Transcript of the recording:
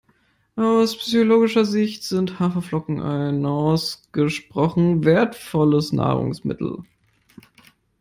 Aus physiologischer Sicht sind Haferflocken ein ausgesprochen wertvolles Nahrungsmittel.